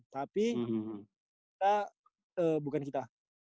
tapi kita bukan kita